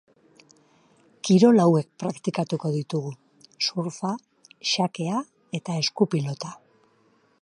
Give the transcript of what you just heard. Kirol hauek praktikatuko ditugu: surfa, xakea eta eskupilota.